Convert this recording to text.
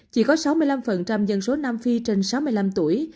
chỉ có sáu mươi năm dân số nam phi trên sáu mươi năm tuổi